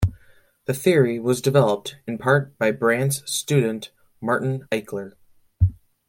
The theory was developed in part by Brandt's student Martin Eichler.